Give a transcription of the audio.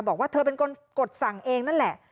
บอกว่าเธอเป็นคนกดสั่งเองนั่นแหละ